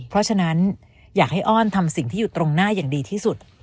เพราะฉะนั้นอยากให้อ้อนทำสิ่งที่อยู่ตรงหน้าอย่างดีที่สุด